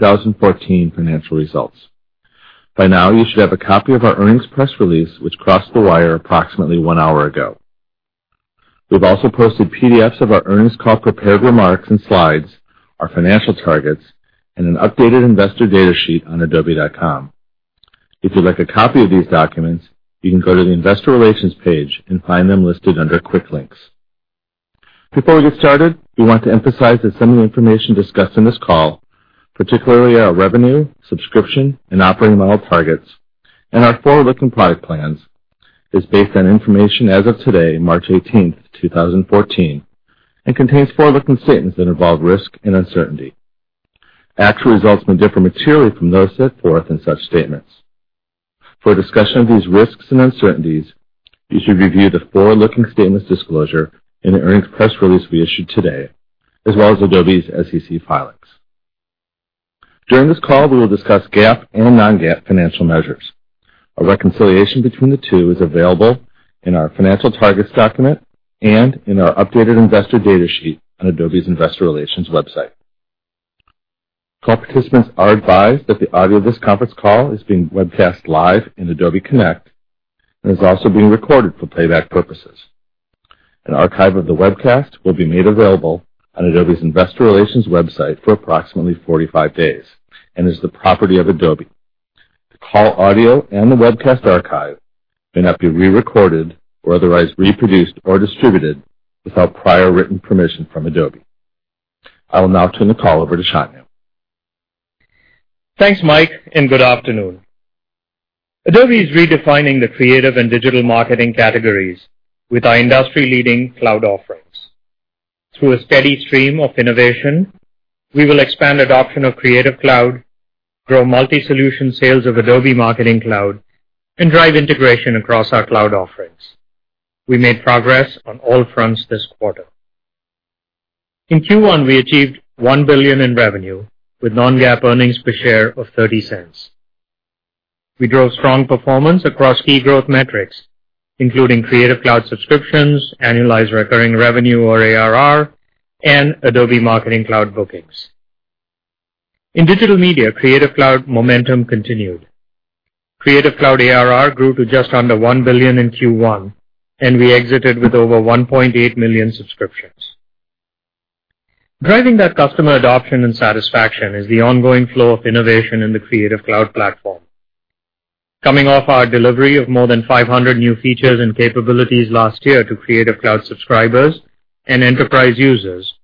2014 financial results. By now, you should have a copy of our earnings press release, which crossed the wire approximately one hour ago. We've also posted PDFs of our earnings call, prepared remarks and slides, our financial targets, and an updated investor data sheet on adobe.com. If you'd like a copy of these documents, you can go to the investor relations page and find them listed under quick links. Before we get started, we want to emphasize that some of the information discussed on this call, particularly our revenue, subscription, and operating model targets, and our forward-looking product plans, is based on information as of today, March 18th, 2014, and contains forward-looking statements that involve risk and uncertainty. Actual results may differ materially from those set forth in such statements. For a discussion of these risks and uncertainties, you should review the forward-looking statements disclosure in the earnings press release we issued today, as well as Adobe's SEC filings. During this call, we will discuss GAAP and non-GAAP financial measures. A reconciliation between the two is available in our financial targets document and in our updated investor data sheet on Adobe's investor relations website. Call participants are advised that the audio of this conference call is being webcast live in Adobe Connect and is also being recorded for playback purposes. An archive of the webcast will be made available on Adobe's investor relations website for approximately 45 days and is the property of Adobe. The call audio and the webcast archive may not be re-recorded or otherwise reproduced or distributed without prior written permission from Adobe. I will now turn the call over to Shantanu. Thanks, Mike, and good afternoon. Adobe is redefining the creative and digital marketing categories with our industry-leading cloud offerings. Through a steady stream of innovation, we will expand adoption of Creative Cloud, grow multi-solution sales of Adobe Marketing Cloud, and drive integration across our cloud offerings. We made progress on all fronts this quarter. In Q1, we achieved $1 billion in revenue with non-GAAP earnings per share of $0.30. We drove strong performance across key growth metrics, including Creative Cloud subscriptions, annualized recurring revenue or ARR, and Adobe Marketing Cloud bookings. In digital media, Creative Cloud momentum continued. Creative Cloud ARR grew to just under $1 billion in Q1, and we exited with over 1.8 million subscriptions. Driving that customer adoption and satisfaction is the ongoing flow of innovation in the Creative Cloud platform. Coming off our delivery of more than 500 new features and capabilities last year to Creative Cloud subscribers and enterprise users,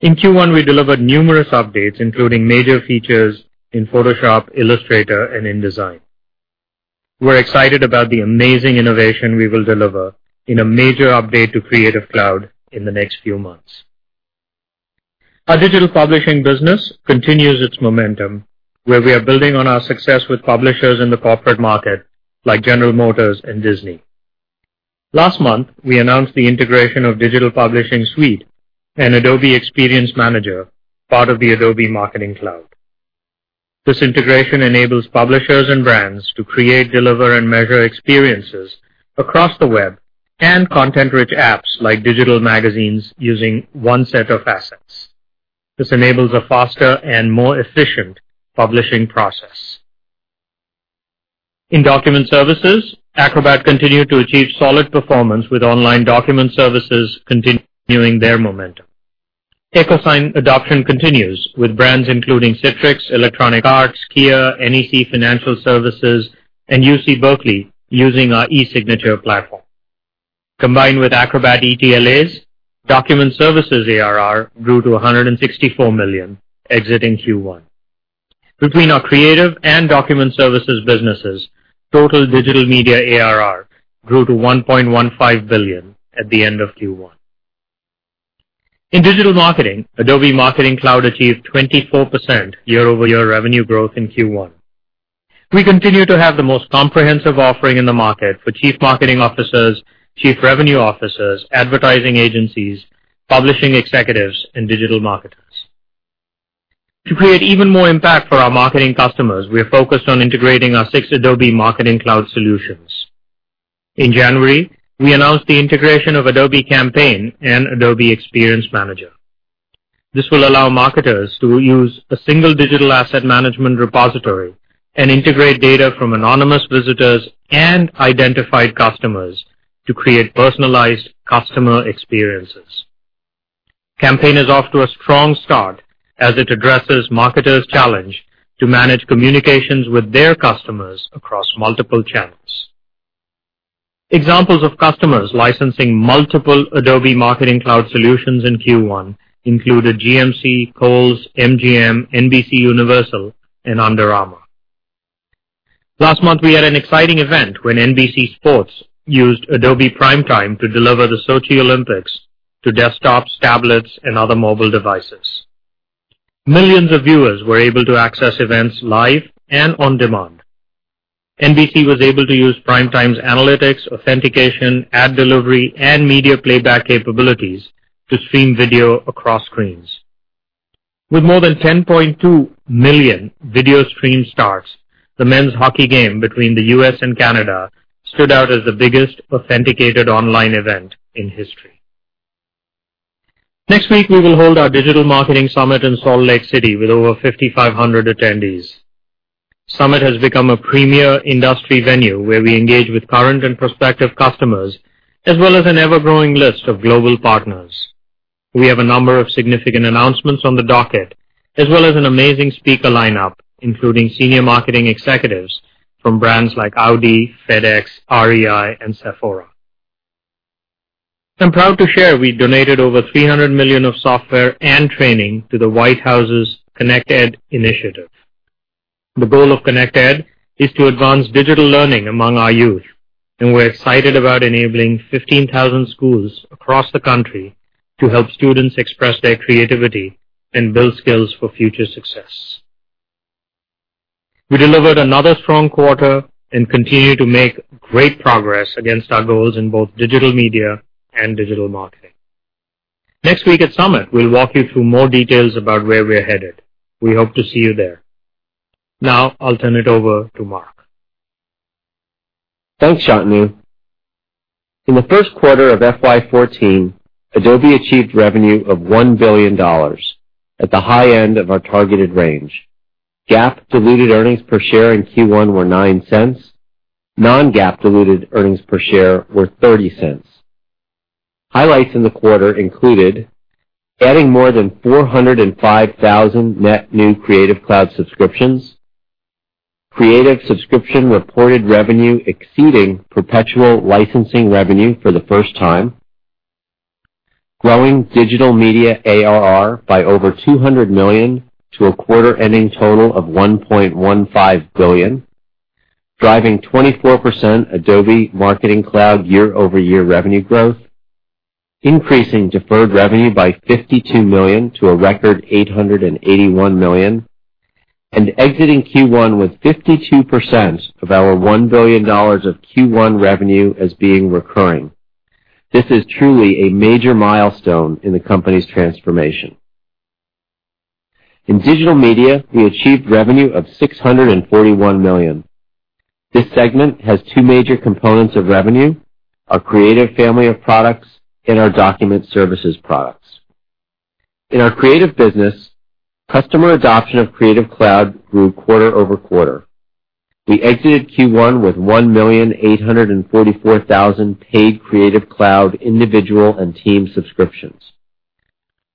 in Q1, we delivered numerous updates, including major features in Photoshop, Illustrator, and InDesign. We're excited about the amazing innovation we will deliver in a major update to Creative Cloud in the next few months. Our digital publishing business continues its momentum, where we are building on our success with publishers in the corporate market, like General Motors and Disney. Last month, we announced the integration of Digital Publishing Suite and Adobe Experience Manager, part of the Adobe Marketing Cloud. This integration enables publishers and brands to create, deliver, and measure experiences across the web and content-rich apps like digital magazines using one set of assets. This enables a faster and more efficient publishing process. In document services, Acrobat continued to achieve solid performance with online document services continuing their momentum. EchoSign adoption continues with brands including Citrix, Electronic Arts, Kia, NEC Financial Services, and UC Berkeley using our e-signature platform. Combined with Acrobat ETLAs, document services ARR grew to $164 million exiting Q1. Between our creative and document services businesses, total digital media ARR grew to $1.15 billion at the end of Q1. In digital marketing, Adobe Marketing Cloud achieved 24% year-over-year revenue growth in Q1. We continue to have the most comprehensive offering in the market for chief marketing officers, chief revenue officers, advertising agencies, publishing executives, and digital marketers. To create even more impact for our marketing customers, we are focused on integrating our six Adobe Marketing Cloud solutions. In January, we announced the integration of Adobe Campaign and Adobe Experience Manager. This will allow marketers to use a single digital asset management repository and integrate data from anonymous visitors and identified customers to create personalized customer experiences. Campaign is off to a strong start as it addresses marketers' challenge to manage communications with their customers across multiple channels. Examples of customers licensing multiple Adobe Marketing Cloud solutions in Q1 included GMC, Kohl's, MGM, NBCUniversal, and Under Armour. Last month, we had an exciting event when NBC Sports used Adobe Primetime to deliver the Sochi Olympics to desktops, tablets, and other mobile devices. Millions of viewers were able to access events live and on demand. NBC was able to use Primetime's analytics, authentication, ad delivery, and media playback capabilities to stream video across screens. With more than 10.2 million video stream starts, the men's hockey game between the U.S. and Canada stood out as the biggest authenticated online event in history. Next week, we will hold our Digital Marketing Summit in Salt Lake City with over 5,500 attendees. Summit has become a premier industry venue where we engage with current and prospective customers, as well as an ever-growing list of global partners. We have a number of significant announcements on the docket, as well as an amazing speaker lineup, including senior marketing executives from brands like Audi, FedEx, REI, and Sephora. I'm proud to share we donated over $300 million of software and training to the White House's ConnectED initiative. The goal of ConnectED is to advance digital learning among our youth. We're excited about enabling 15,000 schools across the country to help students express their creativity and build skills for future success. We delivered another strong quarter and continue to make great progress against our goals in both digital media and digital marketing. Next week at Summit, we'll walk you through more details about where we're headed. We hope to see you there. I'll turn it over to Mark. Thanks, Shantanu. In the first quarter of FY 2014, Adobe achieved revenue of $1 billion at the high end of our targeted range. GAAP diluted earnings per share in Q1 were $0.09. Non-GAAP diluted earnings per share were $0.30. Highlights in the quarter included adding more than 405,000 net new Creative Cloud subscriptions, Creative subscription reported revenue exceeding perpetual licensing revenue for the first time, growing Digital Media ARR by over $200 million to a quarter-ending total of $1.15 billion, driving 24% Adobe Marketing Cloud year-over-year revenue growth, increasing deferred revenue by $52 million to a record $881 million, and exiting Q1 with 52% of our $1 billion of Q1 revenue as being recurring. This is truly a major milestone in the company's transformation. In Digital Media, we achieved revenue of $641 million. This segment has two major components of revenue, our Creative family of products and our Document Services products. In our Creative business, customer adoption of Creative Cloud grew quarter-over-quarter. We exited Q1 with 1,844,000 paid Creative Cloud individual and team subscriptions.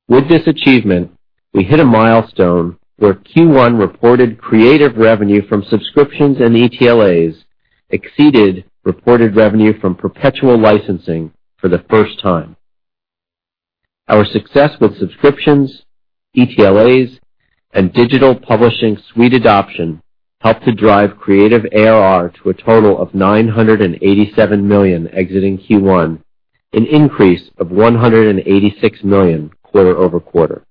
With this achievement, we hit a milestone where Q1 reported Creative revenue from subscriptions and ETLAs exceeded reported revenue from perpetual licensing for the first time. Our success with subscriptions, ETLAs, and Digital Publishing Suite adoption helped to drive Creative ARR to a total of $987 million exiting Q1, an increase of $186 million quarter-over-quarter.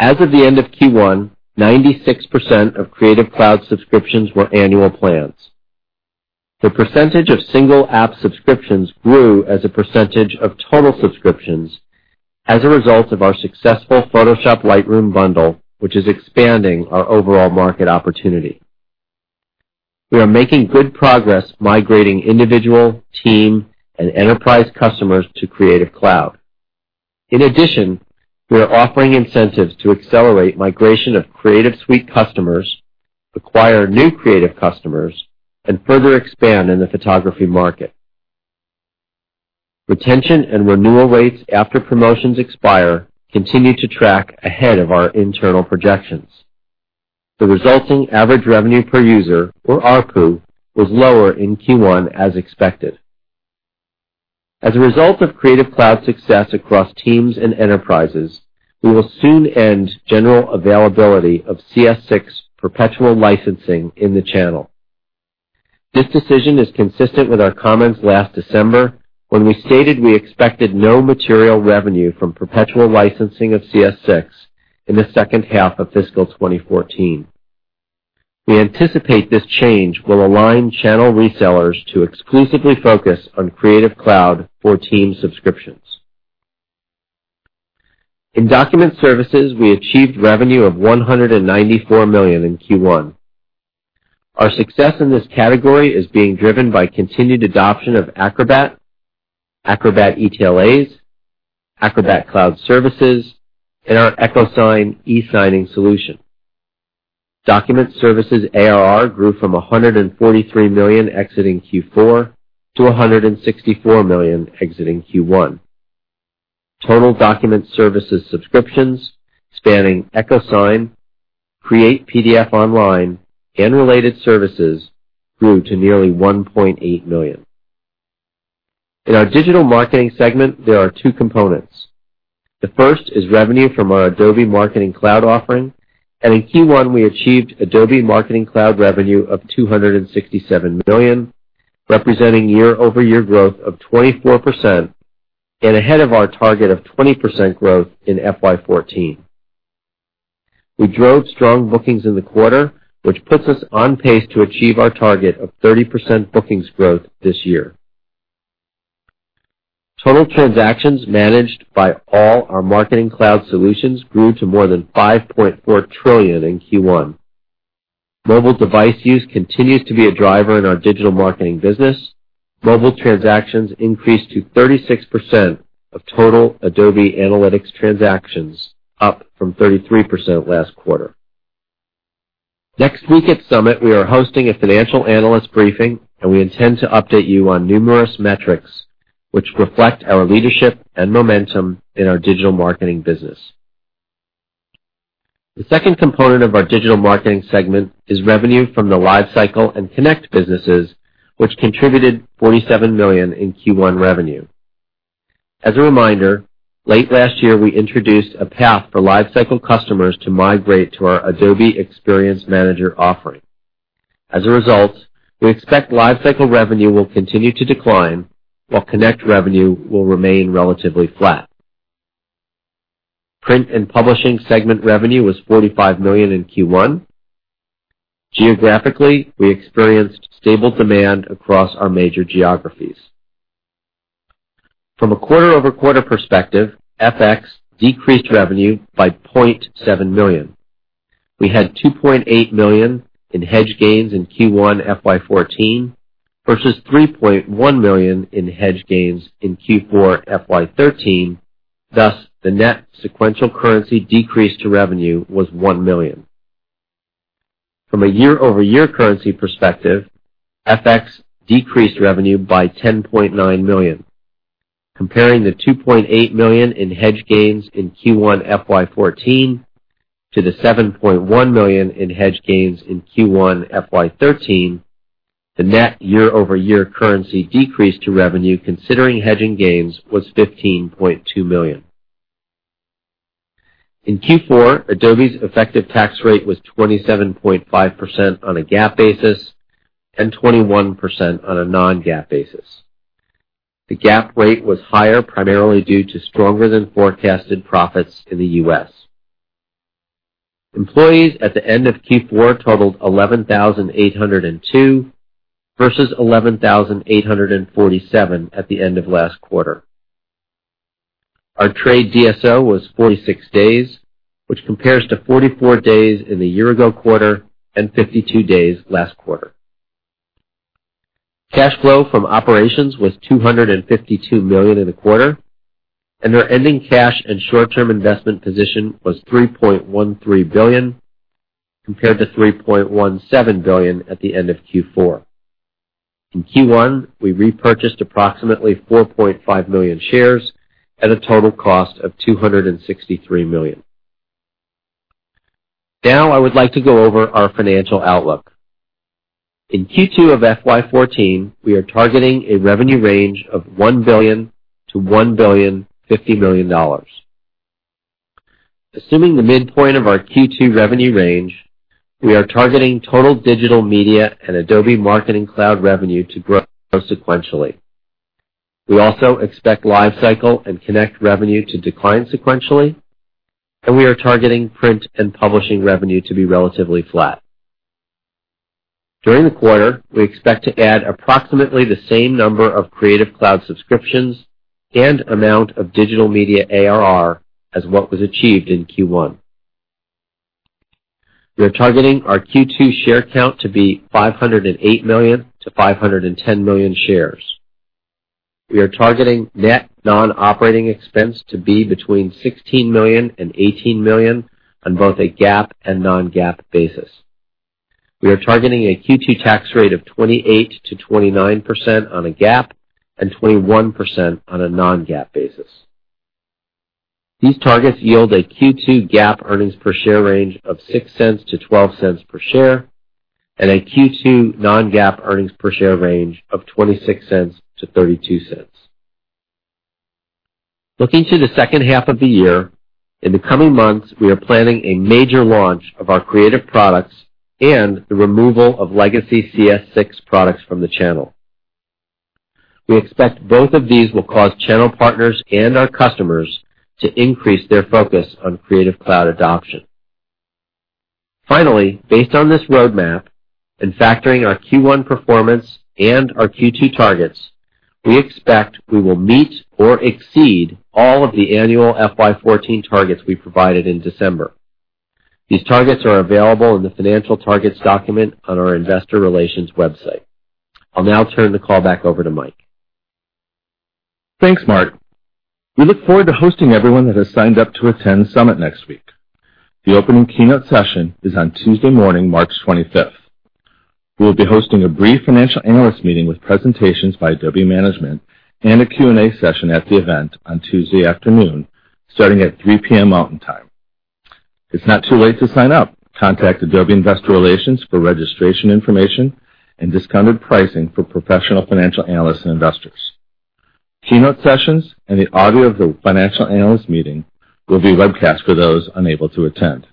As of the end of Q1, 96% of Creative Cloud subscriptions were annual plans. The percentage of single-app subscriptions grew as a percentage of total subscriptions as a result of our successful Photoshop Lightroom bundle, which is expanding our overall market opportunity. We are making good progress migrating individual, team, and enterprise customers to Creative Cloud. In addition, we are offering incentives to accelerate migration of Creative Suite customers, acquire new Creative customers, and further expand in the photography market. Retention and renewal rates after promotions expire continue to track ahead of our internal projections. The resulting average revenue per user, or ARPU, was lower in Q1 as expected. As a result of Creative Cloud's success across teams and enterprises, we will soon end general availability of CS6 perpetual licensing in the channel. This decision is consistent with our comments last December when we stated we expected no material revenue from perpetual licensing of CS6 in the second half of fiscal 2014. We anticipate this change will align channel resellers to exclusively focus on Creative Cloud for Team subscriptions. In Document Services, we achieved revenue of $194 million in Q1. Our success in this category is being driven by continued adoption of Acrobat ETLAs, Acrobat Cloud Services, and our EchoSign e-signing solution. Document Services ARR grew from $143 million exiting Q4 to $164 million exiting Q1. Total Document Services subscriptions spanning EchoSign, Create PDF online, and related services grew to nearly 1.8 million. In our Digital Marketing segment, there are two components. The first is revenue from our Adobe Marketing Cloud offering, and in Q1, we achieved Adobe Marketing Cloud revenue of $267 million, representing year-over-year growth of 24% and ahead of our target of 20% growth in FY 2014. We drove strong bookings in the quarter, which puts us on pace to achieve our target of 30% bookings growth this year. Total transactions managed by all our Marketing Cloud solutions grew to more than 5.4 trillion in Q1. Mobile device use continues to be a driver in our digital marketing business. Mobile transactions increased to 36% of total Adobe Analytics transactions, up from 33% last quarter. Next week at Summit, we are hosting a Financial Analyst Briefing, and we intend to update you on numerous metrics which reflect our leadership and momentum in our digital marketing business. The second component of our digital marketing segment is revenue from the LiveCycle and Connect businesses, which contributed $47 million in Q1 revenue. As a reminder, late last year, we introduced a path for LiveCycle customers to migrate to our Adobe Experience Manager offering. As a result, we expect LiveCycle revenue will continue to decline while Connect revenue will remain relatively flat. Print and Publishing segment revenue was $45 million in Q1. Geographically, we experienced stable demand across our major geographies. From a quarter-over-quarter perspective, FX decreased revenue by $0.7 million. We had $2.8 million in hedge gains in Q1 FY 2014 versus $3.1 million in hedge gains in Q4 FY 2013. The net sequential currency decrease to revenue was $1 million. From a year-over-year currency perspective, FX decreased revenue by $10.9 million. Comparing the $2.8 million in hedge gains in Q1 FY 2014 to the $7.1 million in hedge gains in Q1 FY 2013, the net year-over-year currency decrease to revenue considering hedging gains was $15.2 million. In Q4, Adobe's effective tax rate was 27.5% on a GAAP basis and 21% on a non-GAAP basis. The GAAP rate was higher primarily due to stronger than forecasted profits in the U.S. Employees at the end of Q4 totaled 11,802 versus 11,847 at the end of last quarter. Our trade DSO was 46 days, which compares to 44 days in the year-ago quarter and 52 days last quarter. Cash flow from operations was $252 million in the quarter, and our ending cash and short-term investment position was $3.13 billion, compared to $3.17 billion at the end of Q4. In Q1, we repurchased approximately 4.5 million shares at a total cost of $263 million. I would like to go over our financial outlook. In Q2 of FY 2014, we are targeting a revenue range of $1 billion-$1.05 billion. Assuming the midpoint of our Q2 revenue range, we are targeting total Digital Media and Adobe Marketing Cloud revenue to grow sequentially. We also expect LiveCycle and Connect revenue to decline sequentially, and we are targeting Print and Publishing revenue to be relatively flat. During the quarter, we expect to add approximately the same number of Creative Cloud subscriptions and amount of Digital Media ARR as what was achieved in Q1. We are targeting our Q2 share count to be 508 million-510 million shares. We are targeting net non-operating expense to be between $16 million-$18 million on both a GAAP and non-GAAP basis. We are targeting a Q2 tax rate of 28%-29% on a GAAP and 21% on a non-GAAP basis. These targets yield a Q2 GAAP earnings per share range of $0.06-$0.12 per share and a Q2 non-GAAP earnings per share range of $0.26-$0.32. Looking to the second half of the year, in the coming months, we are planning a major launch of our Creative products and the removal of legacy Creative Suite 6 products from the channel. We expect both of these will cause channel partners and our customers to increase their focus on Creative Cloud adoption. Finally, based on this roadmap and factoring our Q1 performance and our Q2 targets, we expect we will meet or exceed all of the annual FY 2014 targets we provided in December. These targets are available in the financial targets document on our investor relations website. I'll now turn the call back over to Mike. Thanks, Mark. We look forward to hosting everyone that has signed up to attend Summit next week. The opening keynote session is on Tuesday morning, March 25th. We'll be hosting a brief financial analyst meeting with presentations by Adobe management and a Q&A session at the event on Tuesday afternoon, starting at 3:00 P.M. Mountain Time. It's not too late to sign up. Contact Adobe Investor Relations for registration information and discounted pricing for professional financial analysts and investors. Keynote sessions and the audio of the financial analyst meeting will be webcast for those unable to attend.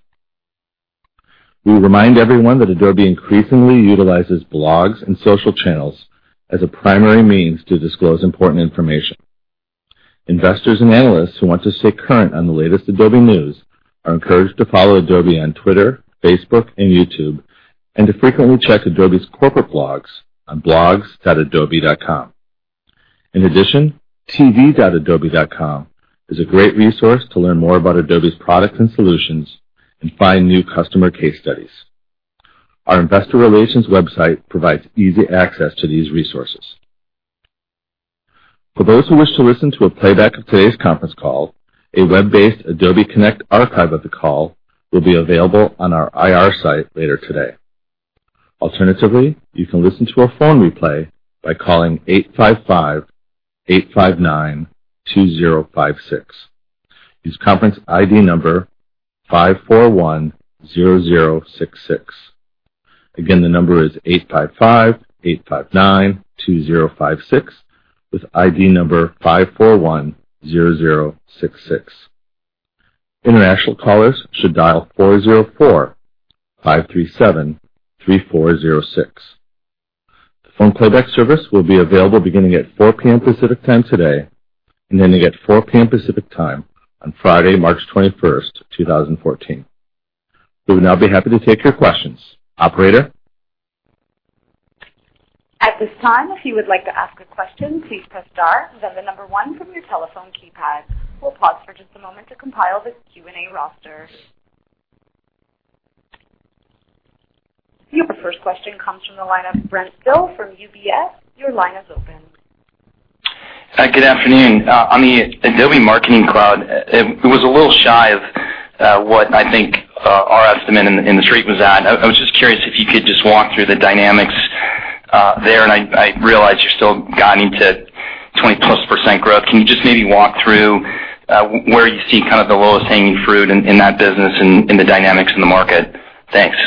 We remind everyone that Adobe increasingly utilizes blogs and social channels as a primary means to disclose important information. Investors and analysts who want to stay current on the latest Adobe news are encouraged to follow Adobe on Twitter, Facebook, and YouTube, and to frequently check Adobe's corporate blogs on blogs.adobe.com. In addition, tv.adobe.com is a great resource to learn more about Adobe's products and solutions and find new customer case studies. Our investor relations website provides easy access to these resources. For those who wish to listen to a playback of today's conference call, a web-based Adobe Connect archive of the call will be available on our IR site later today. Alternatively, you can listen to a phone replay by calling 855-859-2056. Use conference ID number 541-0066. Again, the number is 855-859-2056, with ID number 541-0066. International callers should dial 404-537-3406. The phone playback service will be available beginning at 4:00 P.M. Pacific Time today, and ending at 4:00 P.M. Pacific Time on Friday, March 21st, 2014. We would now be happy to take your questions. Operator? At this time, if you would like to ask a question, please press star, then the number one from your telephone keypad. We'll pause for just a moment to compile this Q&A roster. Your first question comes from the line of Brent Thill from UBS. Your line is open. Hi, good afternoon. On the Adobe Marketing Cloud, it was a little shy of what I think our estimate in the Street was at. I was just curious if you could just walk through the dynamics there. I realize you're still guiding to 20-plus% growth. Can you just maybe walk through where you see kind of the lowest hanging fruit in that business and in the dynamics in the market? Thanks.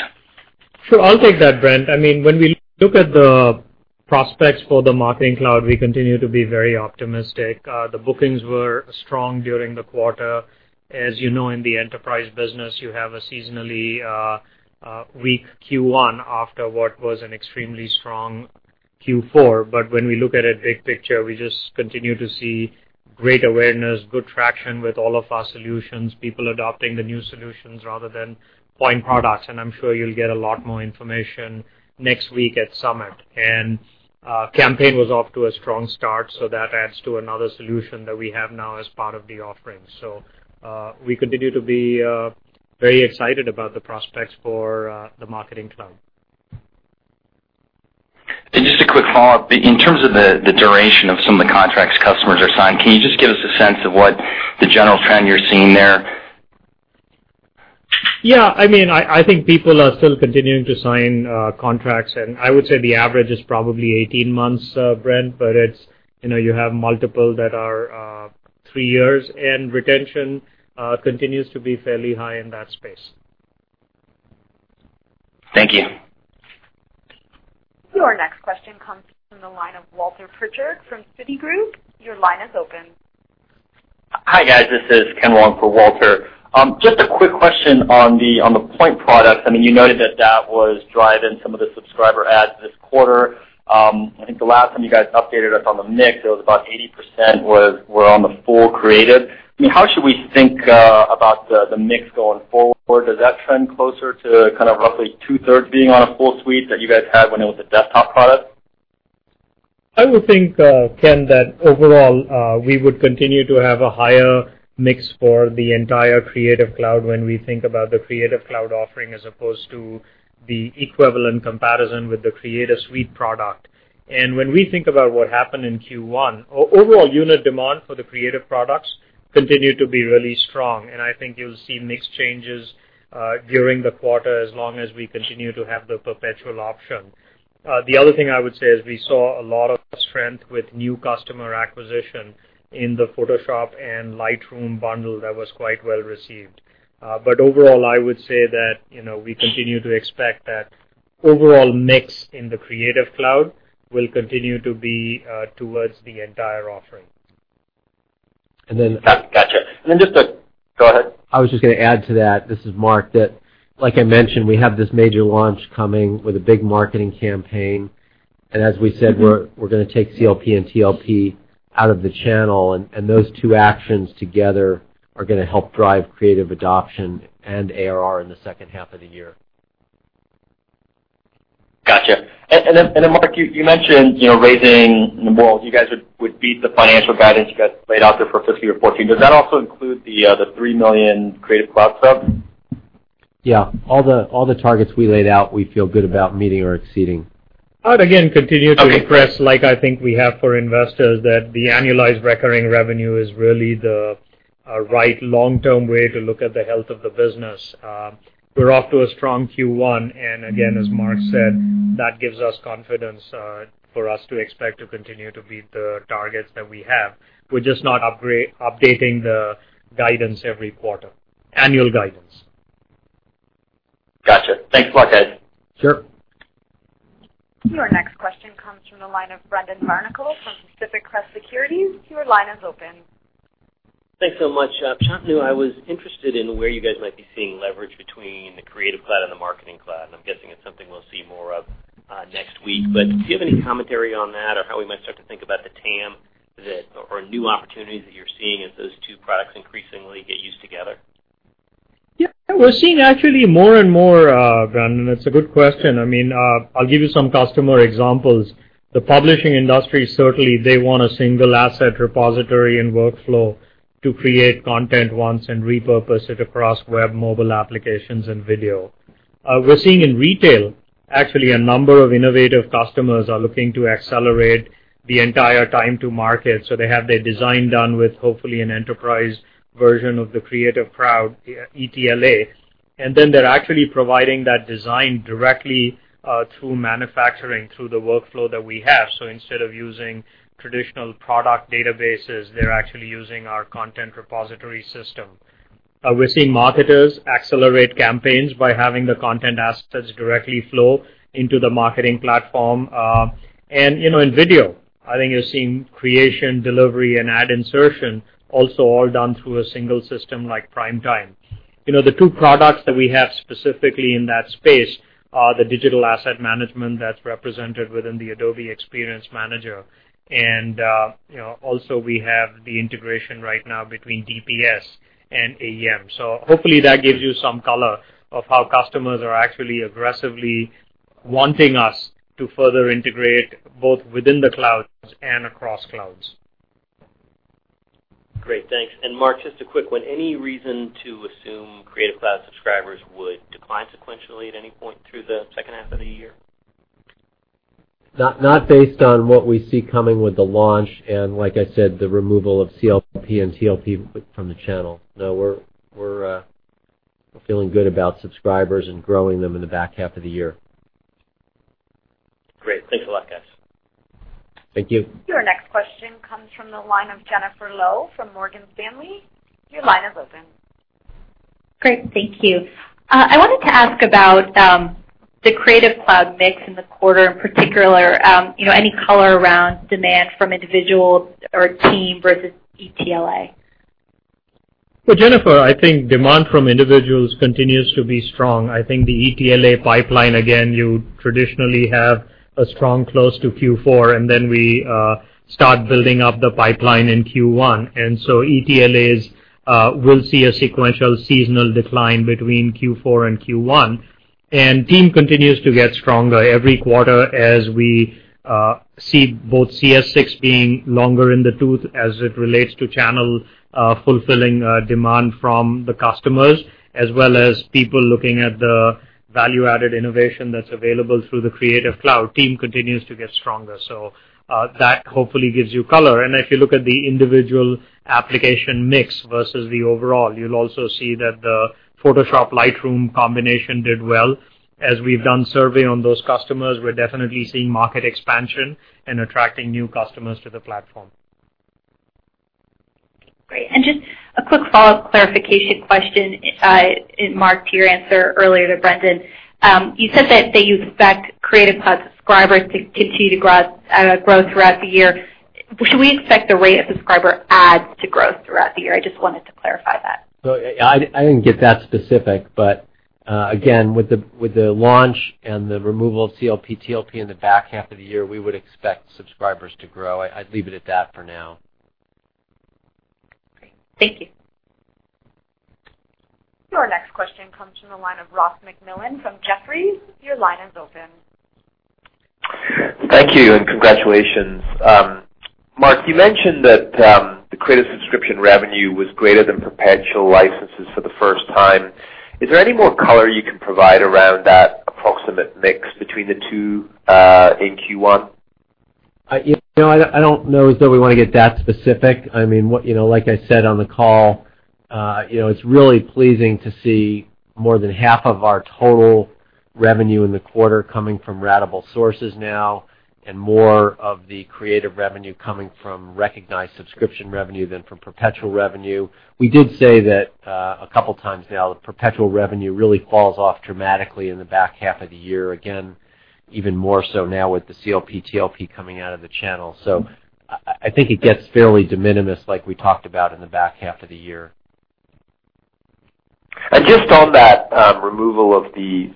Sure. I'll take that, Brent. When we look at the prospects for the Marketing Cloud, we continue to be very optimistic. The bookings were strong during the quarter. As you know, in the enterprise business, you have a seasonally weak Q1 after what was an extremely strong Q4. When we look at it big picture, we just continue to see great awareness, good traction with all of our solutions, people adopting the new solutions rather than point products. I'm sure you'll get a lot more information next week at Summit. Campaign was off to a strong start, so that adds to another solution that we have now as part of the offering. We continue to be very excited about the prospects for the Marketing Cloud. Just a quick follow-up. In terms of the duration of some of the contracts customers are signed, can you just give us a sense of what the general trend you're seeing there? Yeah. I think people are still continuing to sign contracts, and I would say the average is probably 18 months, Brent, but you have multiple that are three years, and retention continues to be fairly high in that space. Thank you. Your next question comes from the line of Walter Pritchard from Citigroup. Your line is open. Hi, guys. This is Ken Long for Walter. Just a quick question on the point products. You noted that that was driving some of the subscriber adds this quarter. I think the last time you guys updated us on the mix, it was about 80% were on the full Creative. How should we think about the mix going forward? Does that trend closer to kind of roughly two-thirds being on a full suite that you guys had when it was a desktop product? I would think, Ken, that overall, we would continue to have a higher mix for the entire Adobe Creative Cloud when we think about the Adobe Creative Cloud offering as opposed to the equivalent comparison with the Adobe Creative Suite product. When we think about what happened in Q1, overall unit demand for the Creative products continued to be really strong, and I think you'll see mix changes during the quarter as long as we continue to have the perpetual option. The other thing I would say is we saw a lot of strength with new customer acquisition in the Adobe Photoshop and Adobe Lightroom bundle that was quite well-received. Overall, I would say that we continue to expect that overall mix in the Adobe Creative Cloud will continue to be towards the entire offering. And then- Go ahead. I was just going to add to that, this is Mark, that like I mentioned, we have this major launch coming with a big marketing campaign. As we said, we're going to take CLP and TLP out of the channel, and those two actions together are going to help drive Creative adoption and ARR in the second half of the year. Got you. Then, Mark, you mentioned raising, well, you guys would beat the financial guidance you guys laid out there for 2014. Does that also include the 3 million Adobe Creative Cloud subs? Yeah. All the targets we laid out, we feel good about meeting or exceeding. I'd again continue to- Okay stress, like I think we have for investors, that the Annualized Recurring Revenue is really the right long-term way to look at the health of the business. We're off to a strong Q1, and again, as Mark said, that gives us confidence for us to expect to continue to beat the targets that we have. We're just not updating the guidance every quarter. Annual guidance. Got you. Thanks, Mark. Thanks. Sure. Your next question comes from the line of Brendan Barnicle from Pacific Crest Securities. Your line is open. Thanks so much. Shantanu, I was interested in where you guys might be seeing leverage between the Creative Cloud and the Marketing Cloud. I'm guessing it's something we'll see more of next week. Do you have any commentary on that or how we might start to think about the TAM, or new opportunities that you're seeing as those two products increasingly get used together? Yeah. We're seeing actually more and more, Brendan. It's a good question. I'll give you some customer examples. The publishing industry, certainly, they want a single asset repository and workflow to create content once and repurpose it across web, mobile applications, and video. We're seeing in retail, actually, a number of innovative customers are looking to accelerate the entire time to market. They have their design done with hopefully an enterprise version of the Creative Cloud, ETLA, and then they're actually providing that design directly through manufacturing, through the workflow that we have. Instead of using traditional product databases, they're actually using our content repository system. We're seeing marketers accelerate campaigns by having the content assets directly flow into the marketing platform. In video, I think you're seeing creation, delivery, and ad insertion also all done through a single system like Adobe Primetime. The two products that we have specifically in that space are the digital asset management that's represented within the Adobe Experience Manager, and also we have the integration right now between DPS and AEM. Hopefully that gives you some color of how customers are actually aggressively wanting us to further integrate both within the clouds and across clouds. Great. Thanks. Mark, just a quick one. Any reason to assume Creative Cloud subscribers would decline sequentially at any point through the second half of the year? Not based on what we see coming with the launch, like I said, the removal of CLP and TLP from the channel. No, we're feeling good about subscribers and growing them in the back half of the year. Great. Thanks a lot, guys. Thank you. Your next question comes from the line of Jennifer Lowe from Morgan Stanley. Your line is open. Great. Thank you. I wanted to ask about the Creative Cloud mix in the quarter, in particular, any color around demand from individuals or Team versus ETLA. Well, Jennifer, I think demand from individuals continues to be strong. I think the ETLA pipeline, again, you traditionally have a strong close to Q4. Then we start building up the pipeline in Q1. Team continues to get stronger every quarter as we see both CS6 being longer in the tooth as it relates to channel fulfilling demand from the customers, as well as people looking at the value-added innovation that's available through the Creative Cloud. Team continues to get stronger. That hopefully gives you color. If you look at the individual application mix versus the overall, you'll also see that the Photoshop/Lightroom combination did well. As we've done survey on those customers, we're definitely seeing market expansion and attracting new customers to the platform. Great. Just a quick follow-up clarification question, Mark, to your answer earlier to Brendan. You said that you expect Creative Cloud subscribers to continue to grow throughout the year. Should we expect the rate of subscriber adds to grow throughout the year? I just wanted to clarify that. I didn't get that specific, but again, with the launch and the removal of CLP/TLP in the back half of the year, we would expect subscribers to grow. I'd leave it at that for now. Great. Thank you. Your next question comes from the line of Ross MacMillan from Jefferies. Your line is open. Thank you, and congratulations. Mark, you mentioned that the Creative subscription revenue was greater than perpetual licenses for the first time. Is there any more color you can provide around that approximate mix between the two in Q1? I don't know as though we want to get that specific. Like I said on the call, it's really pleasing to see more than half of our total revenue in the quarter coming from ratable sources now, and more of the Creative revenue coming from recognized subscription revenue than from perpetual revenue. We did say that a couple of times now, the perpetual revenue really falls off dramatically in the back half of the year, again, even more so now with the CLP/TLP coming out of the channel. I think it gets fairly de minimis like we talked about in the back half of the year. Just on that removal of the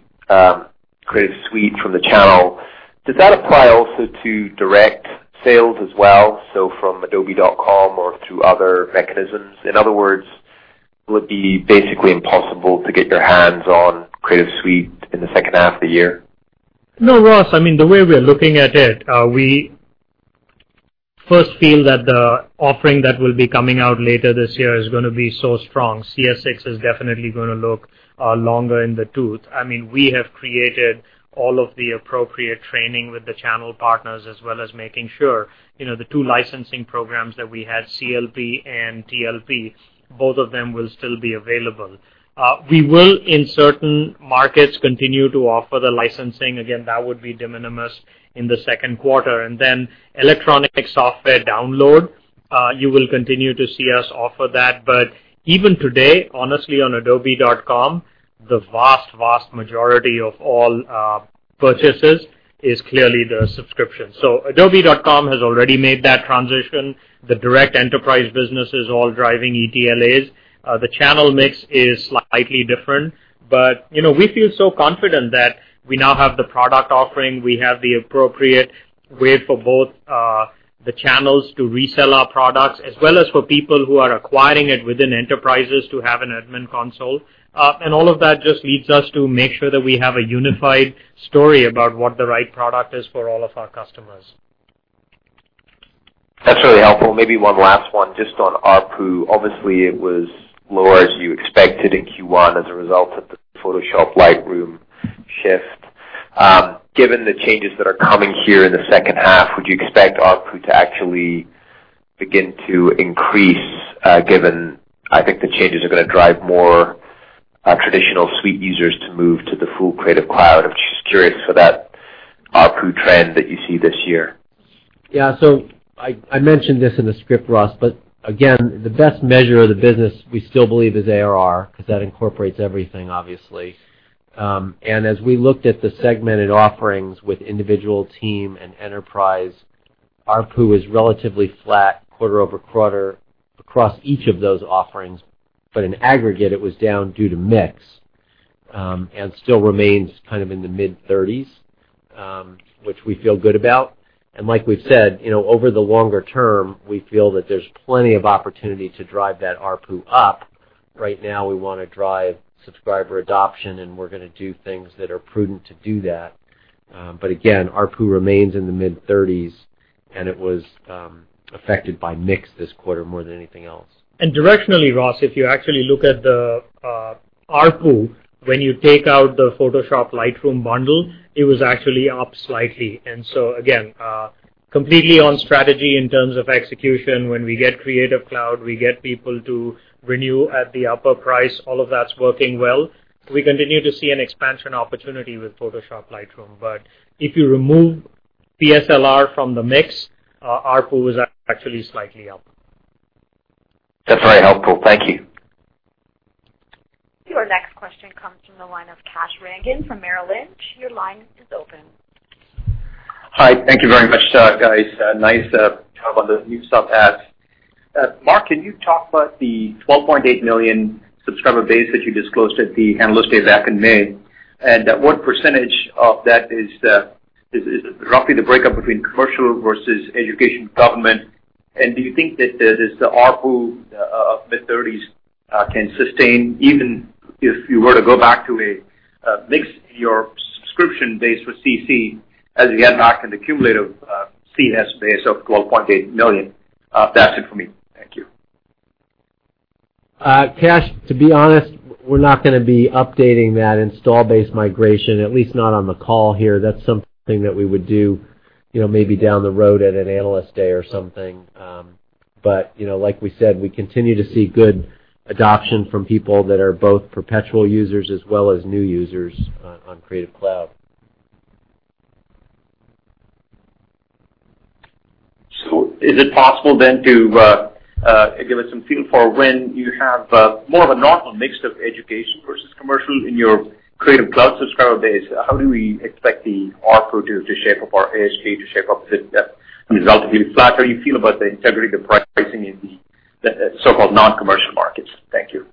Creative Suite from the channel, does that apply also to direct sales as well, so from adobe.com or through other mechanisms? In other words, will it be basically impossible to get your hands on Creative Suite in the second half of the year? No, Ross, the way we're looking at it, we first feel that the offering that will be coming out later this year is going to be so strong. CS 6 is definitely going to look longer in the tooth. We have created all of the appropriate training with the channel partners, as well as making sure the two licensing programs that we had, CLP and TLP, both of them will still be available. We will, in certain markets, continue to offer the licensing. Again, that would be de minimis in the second quarter. Electronic software download, you will continue to see us offer that. Even today, honestly, on adobe.com, the vast majority of all purchases is clearly the subscription. adobe.com has already made that transition. The direct enterprise business is all driving ETLAs. The channel mix is slightly different, we feel so confident that we now have the product offering, we have the appropriate way for both the channels to resell our products, as well as for people who are acquiring it within enterprises to have an admin console. All of that just leads us to make sure that we have a unified story about what the right product is for all of our customers. That's really helpful. Maybe one last one just on ARPU. Obviously, it was lower as you expected in Q1 as a result of the Photoshop Lightroom shift. Given the changes that are coming here in the second half, would you expect ARPU to actually begin to increase, given, I think the changes are going to drive more traditional Suite users to move to the full Creative Cloud? I'm just curious for that ARPU trend that you see this year. Yeah. I mentioned this in the script, Ross, again, the best measure of the business we still believe is ARR, because that incorporates everything, obviously. As we looked at the segmented offerings with individual team and enterprise, ARPU is relatively flat quarter-over-quarter across each of those offerings. In aggregate, it was down due to mix, and still remains kind of in the mid-30s, which we feel good about. Like we've said, over the longer term, we feel that there's plenty of opportunity to drive that ARPU up. Right now, we want to drive subscriber adoption, and we're going to do things that are prudent to do that. Again, ARPU remains in the mid-30s, and it was affected by mix this quarter more than anything else. Directionally, Ross, if you actually look at the ARPU, when you take out the Photoshop Lightroom bundle, it was actually up slightly. Again, completely on strategy in terms of execution. When we get Creative Cloud, we get people to renew at the upper price. All of that's working well. We continue to see an expansion opportunity with Photoshop Lightroom. If you remove DSLR from the mix, ARPU is actually slightly up. That's very helpful. Thank you. Your next question comes from the line of Kash Rangan from Merrill Lynch. Your line is open. Hi. Thank you very much, guys. Nice talk on the new stuff, apps. Mark, can you talk about the 12.8 million subscriber base that you disclosed at the Analyst Day back in May, what percentage of that is roughly the breakup between commercial versus education government? Do you think that this ARPU of mid-30s can sustain, even if you were to go back to a mix in your subscription base for CC as you had back in the cumulative CS base of 12.8 million? That's it for me. Thank you. Kash, to be honest, we're not going to be updating that install base migration, at least not on the call here. That's something that we would do maybe down the road at an Analyst Day or something. Like we said, we continue to see good adoption from people that are both perpetual users as well as new users on Creative Cloud. Is it possible then to give us some feel for when you have more of a normal mix of education versus commercial in your Creative Cloud subscriber base? How do we expect the ARPU to shape up or ASG to shape up as a result of being flat? How do you feel about the integrity of the pricing in the so-called non-commercial markets? Thank you.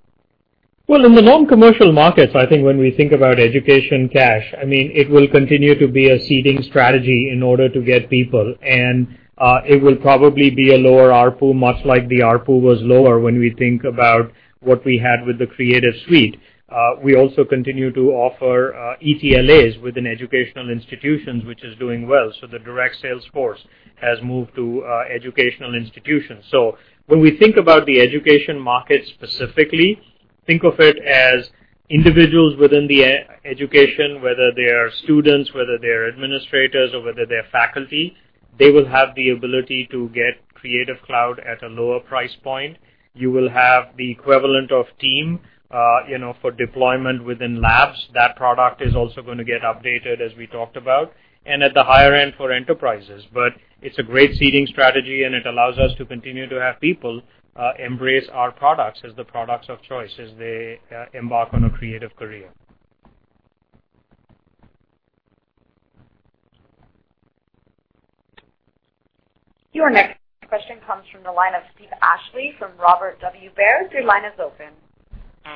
Well, in the non-commercial markets, I think when we think about education, Kash, it will continue to be a seeding strategy in order to get people, and it will probably be a lower ARPU, much like the ARPU was lower when we think about what we had with the Creative Suite. We also continue to offer ETLAs within educational institutions, which is doing well. The direct sales force has moved to educational institutions. When we think about the education market specifically, think of it as individuals within the education, whether they are students, whether they are administrators, or whether they are faculty, they will have the ability to get Creative Cloud at a lower price point. You will have the equivalent of Team for deployment within labs. That product is also going to get updated, as we talked about, and at the higher end for enterprises. It's a great seeding strategy, and it allows us to continue to have people embrace our products as the products of choice as they embark on a creative career. Your next question comes from the line of Steve Ashley from Robert W. Baird. Your line is open.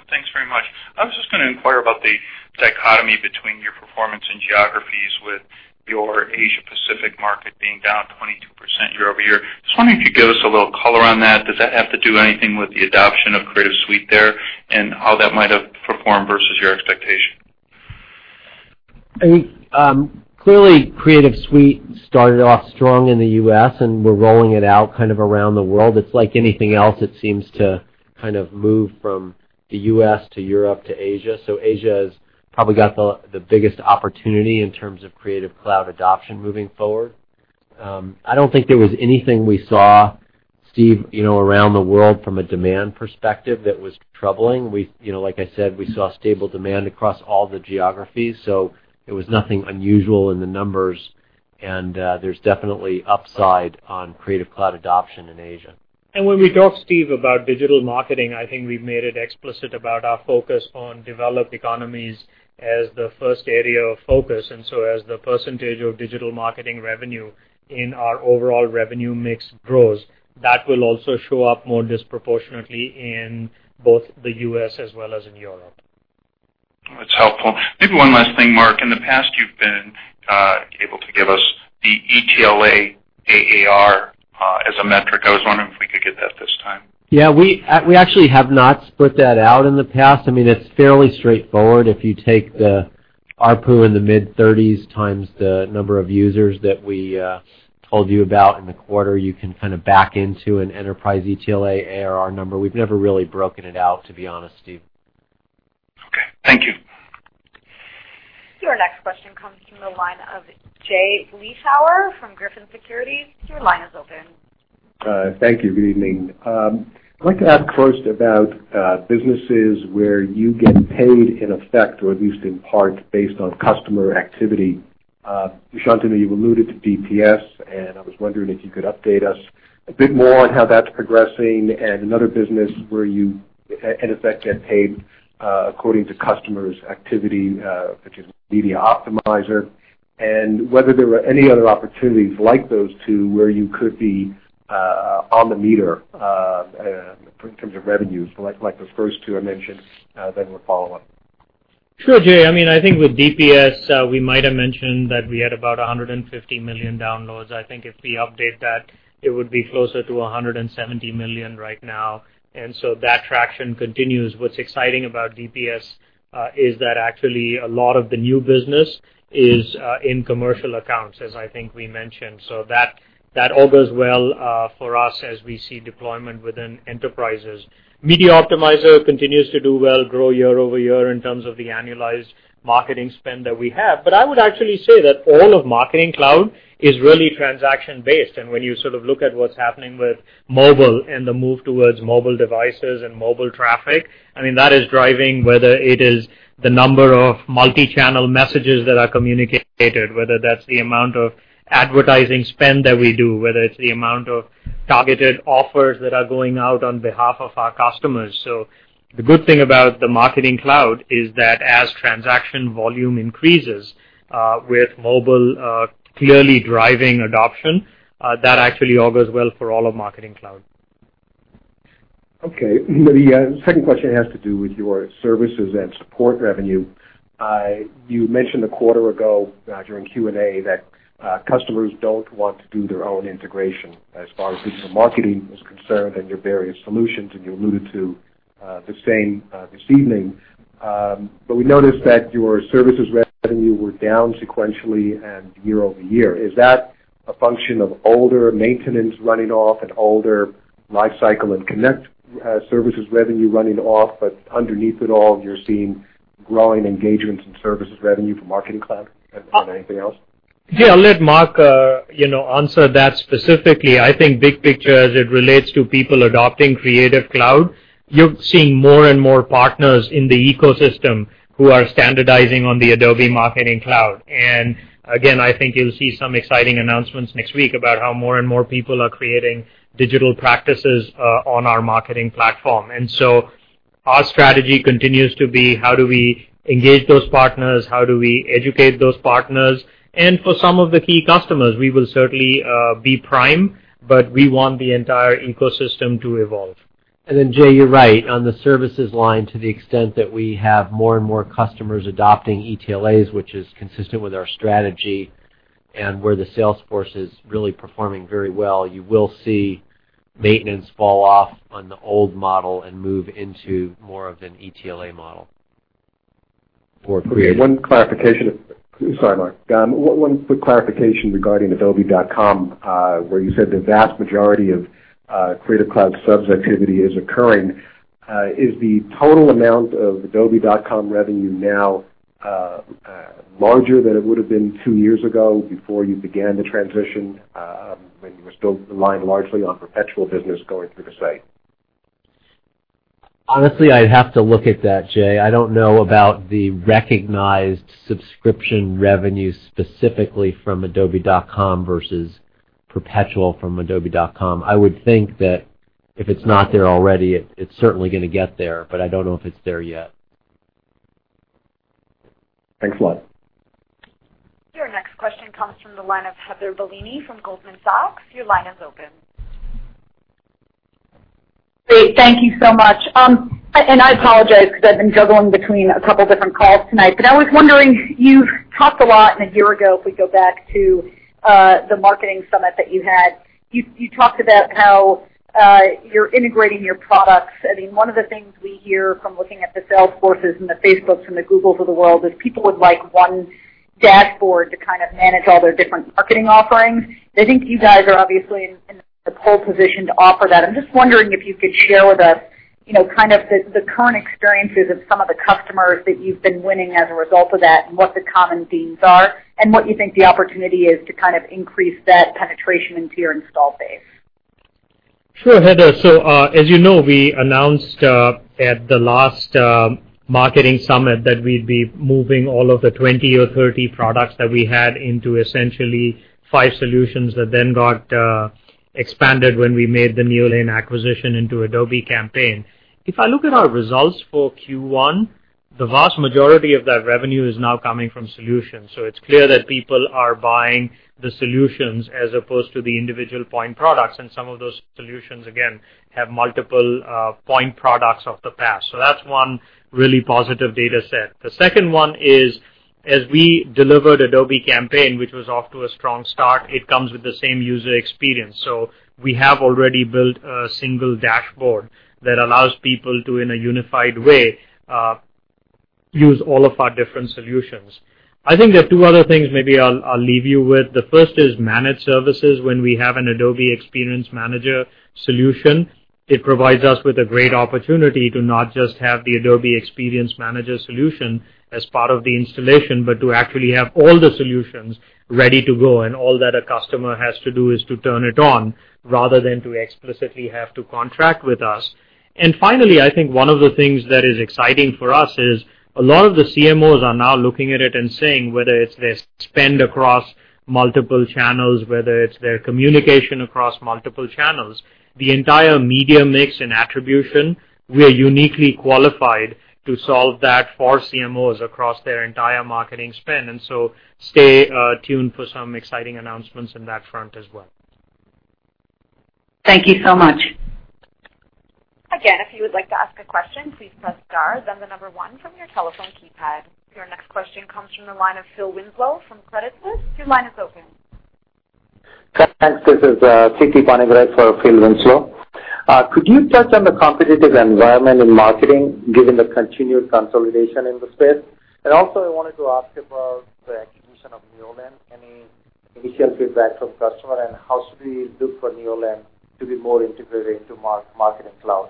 Thanks very much. I was just going to inquire about the dichotomy between your performance and geographies with your Asia Pacific market being down 22% year-over-year. Just wondering if you could give us a little color on that. Does that have to do anything with the adoption of Creative Suite there and how that might have performed versus your expectation? I think, clearly, Adobe Creative Suite started off strong in the U.S., and we're rolling it out kind of around the world. It's like anything else. It seems to kind of move from the U.S. to Europe to Asia. Asia has probably got the biggest opportunity in terms of Adobe Creative Cloud adoption moving forward. I don't think there was anything we saw, Steve, around the world from a demand perspective that was troubling. Like I said, we saw stable demand across all the geographies, so it was nothing unusual in the numbers, and there's definitely upside on Adobe Creative Cloud adoption in Asia. When we talk, Steve, about digital marketing, I think we've made it explicit about our focus on developed economies as the first area of focus. As the percentage of digital marketing revenue in our overall revenue mix grows, that will also show up more disproportionately in both the U.S. as well as in Europe. That's helpful. Maybe one last thing, Mark. In the past, you've been able to give us the ETLA ARR as a metric. I was wondering if we could get that this time. Yeah. We actually have not split that out in the past. It's fairly straightforward. If you take the ARPU in the mid-thirties times the number of users that we told you about in the quarter, you can kind of back into an enterprise ETLA ARR number. We've never really broken it out, to be honest, Steve. Okay. Thank you. Your next question comes from the line of Jay Vleeschhouwer from Griffin Securities. Your line is open. Thank you. Good evening. I'd like to ask first about businesses where you get paid in effect, or at least in part, based on customer activity. Shantanu, you alluded to DPS, I was wondering if you could update us a bit more on how that's progressing and another business where you, in effect, get paid according to customers' activity, which is Media Optimizer. Whether there are any other opportunities like those two where you could be on the meter in terms of revenues, like those first two I mentioned, we'll follow up. Sure, Jay. I think with DPS, we might have mentioned that we had about 150 million downloads. I think if we update that, it would be closer to 170 million right now. That traction continues. What's exciting about DPS is that actually a lot of the new business is in commercial accounts, as I think we mentioned. That all goes well for us as we see deployment within enterprises. Media Optimizer continues to do well, grow year-over-year in terms of the annualized marketing spend that we have. I would actually say that all of Marketing Cloud is really transaction-based, and when you sort of look at what's happening with mobile and the move towards mobile devices and mobile traffic, that is driving whether it is the number of multi-channel messages that are communicated, whether that's the amount of advertising spend that we do, whether it's the amount of targeted offers that are going out on behalf of our customers. The good thing about the Marketing Cloud is that as transaction volume increases with mobile clearly driving adoption, that actually all goes well for all of Marketing Cloud. Okay. The second question has to do with your services and support revenue. You mentioned a quarter ago during Q&A that customers don't want to do their own integration as far as digital marketing is concerned and your various solutions, and you alluded to the same this evening. We noticed that your services revenue were down sequentially and year-over-year. Is that a function of older maintenance running off, an older LiveCycle and Connect services revenue running off, but underneath it all, you're seeing growing engagement and services revenue from Marketing Cloud and anything else? Yeah, I'll let Mark answer that specifically. I think big picture, as it relates to people adopting Creative Cloud, you're seeing more and more partners in the ecosystem who are standardizing on the Adobe Marketing Cloud. Again, I think you'll see some exciting announcements next week about how more and more people are creating digital practices on our marketing platform. Our strategy continues to be how do we engage those partners, how do we educate those partners, and for some of the key customers, we will certainly be prime, but we want the entire ecosystem to evolve. Jay, you're right. On the services line, to the extent that we have more and more customers adopting ETLAs, which is consistent with our strategy and where the sales force is really performing very well, you will see maintenance fall off on the old model and move into more of an ETLA model. One clarification. Sorry, Mark. One quick clarification regarding adobe.com, where you said the vast majority of Creative Cloud subs activity is occurring. Is the total amount of adobe.com revenue now larger than it would have been two years ago before you began the transition, when you were still relying largely on perpetual business going through the site? Honestly, I'd have to look at that, Jay. I don't know about the recognized subscription revenue specifically from adobe.com versus perpetual from adobe.com. I would think that if it's not there already, it's certainly going to get there, but I don't know if it's there yet. Thanks a lot. Your next question comes from the line of Heather Bellini from Goldman Sachs. Your line is open. Great. Thank you so much. I apologize because I've been juggling between a couple different calls tonight. I was wondering, you've talked a lot, and a year ago, if we go back to the Marketing Summit that you had, you talked about how you're integrating your products. One of the things we hear from looking at the Salesforces and the Facebooks and the Googles of the world is people would like one dashboard to kind of manage all their different marketing offerings. I think you guys are obviously in the pole position to offer that. I'm just wondering if you could share with us kind of the current experiences of some of the customers that you've been winning as a result of that, and what the common themes are, and what you think the opportunity is to kind of increase that penetration into your install base. Sure, Heather. As you know, we announced at the last Marketing Summit that we'd be moving all of the 20 or 30 products that we had into essentially five solutions that then got expanded when we made the Neolane acquisition into Adobe Campaign. If I look at our results for Q1, the vast majority of that revenue is now coming from solutions. It's clear that people are buying the solutions as opposed to the individual point products, and some of those solutions, again, have multiple point products of the past. That's one really positive data set. The second one is. As we delivered Adobe Campaign, which was off to a strong start, it comes with the same user experience. We have already built a single dashboard that allows people to, in a unified way, use all of our different solutions. I think there are two other things maybe I'll leave you with. The first is managed services. When we have an Adobe Experience Manager solution, it provides us with a great opportunity to not just have the Adobe Experience Manager solution as part of the installation, but to actually have all the solutions ready to go. All that a customer has to do is to turn it on rather than to explicitly have to contract with us. Finally, I think one of the things that is exciting for us is a lot of the CMOs are now looking at it and saying whether it's their spend across multiple channels, whether it's their communication across multiple channels, the entire media mix and attribution, we are uniquely qualified to solve that for CMOs across their entire marketing spend. Stay tuned for some exciting announcements on that front as well. Thank you so much. Again, if you would like to ask a question, please press star, then the number one from your telephone keypad. Your next question comes from the line of Philip Winslow from Credit Suisse. Your line is open. Thanks. This is Siti Panigrahi for Philip Winslow. Could you touch on the competitive environment in marketing given the continued consolidation in the space? Also, I wanted to ask about the acquisition of Neolane, any initial feedback from customer, and how should we look for Neolane to be more integrated into Marketing Cloud?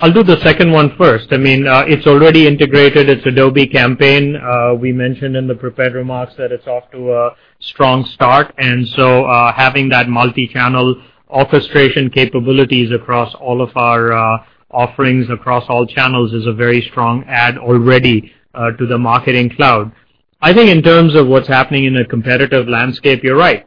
I'll do the second one first. It's already integrated. It's Adobe Campaign. We mentioned in the prepared remarks that it's off to a strong start. Having that multi-channel orchestration capabilities across all of our offerings, across all channels is a very strong add already to the Marketing Cloud. I think in terms of what's happening in a competitive landscape, you're right.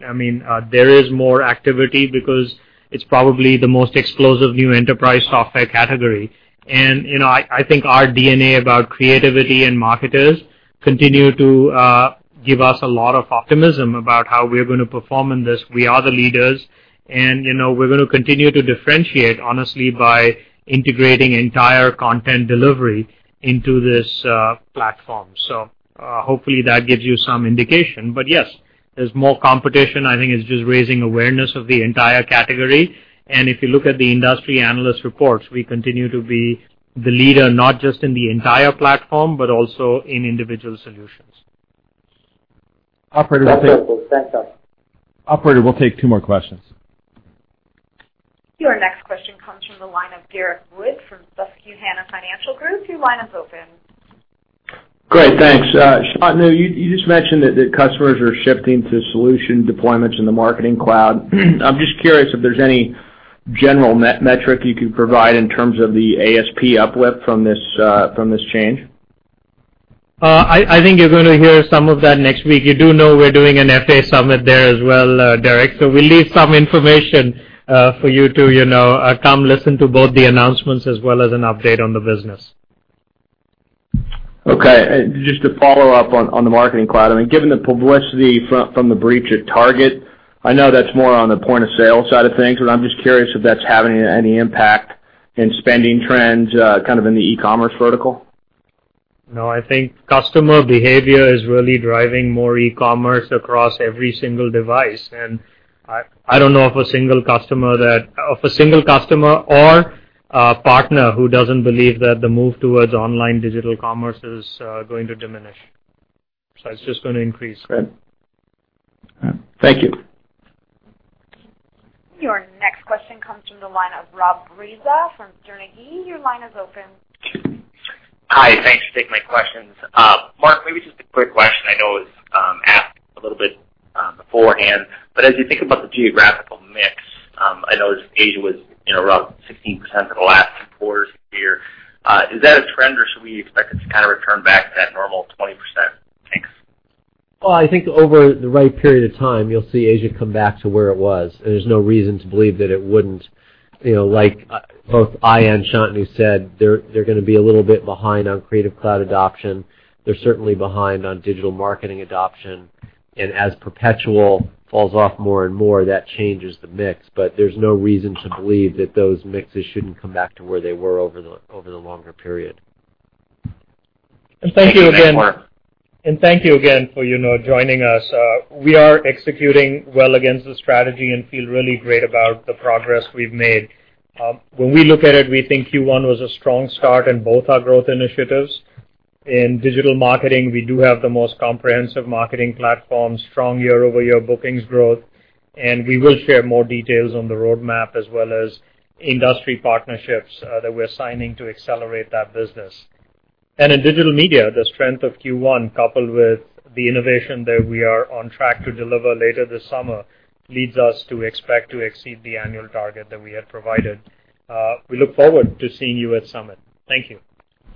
There is more activity because it's probably the most explosive new enterprise software category. I think our DNA about creativity and marketers continue to give us a lot of optimism about how we're going to perform in this. We are the leaders, and we're going to continue to differentiate, honestly, by integrating entire content delivery into this platform. Hopefully, that gives you some indication. Yes, there's more competition. I think it's just raising awareness of the entire category. If you look at the industry analyst reports, we continue to be the leader, not just in the entire platform, but also in individual solutions. Wonderful. Thanks, guys. Operator, we'll take two more questions. Your next question comes from the line of Derrick Wood from Susquehanna Financial Group. Your line is open. Great. Thanks. Shantanu, you just mentioned that customers are shifting to solution deployments in the Marketing Cloud. I'm just curious if there's any general metric you could provide in terms of the ASP uplift from this change. I think you're going to hear some of that next week. You do know we're doing an FA Summit there as well, Derrick, we'll leave some information for you to come listen to both the announcements as well as an update on the business. Okay. Just to follow up on the Marketing Cloud, given the publicity from the breach at Target, I know that's more on the point-of-sale side of things, I'm just curious if that's having any impact in spending trends in the e-commerce vertical. No, I think customer behavior is really driving more e-commerce across every single device. I don't know of a single customer or a partner who doesn't believe that the move towards online digital commerce is going to diminish. It's just going to increase. Great. Thank you. Your next question comes from the line of Robert Breza from Sterne Agee. Your line is open. Hi. Thanks for taking my questions. Mark, maybe just a quick question. I know it was asked a little bit beforehand, but as you think about the geographical mix, I noticed Asia was around 16% for the last quarter here. Is that a trend, or should we expect it to kind of return back to that normal 20%? Thanks. Well, I think over the right period of time, you'll see Asia come back to where it was. There's no reason to believe that it wouldn't. Like both I and Shantanu said, they're going to be a little bit behind on Creative Cloud adoption. They're certainly behind on digital marketing adoption. As perpetual falls off more and more, that changes the mix, but there's no reason to believe that those mixes shouldn't come back to where they were over the longer period. Thank you. Thank you again. Thank you, Mark. Thank you again for joining us. We are executing well against the strategy and feel really great about the progress we've made. When we look at it, we think Q1 was a strong start in both our growth initiatives. In digital marketing, we do have the most comprehensive marketing platform, strong year-over-year bookings growth, and we will share more details on the roadmap as well as industry partnerships that we're signing to accelerate that business. In digital media, the strength of Q1, coupled with the innovation that we are on track to deliver later this summer, leads us to expect to exceed the annual target that we had provided. We look forward to seeing you at Summit. Thank you.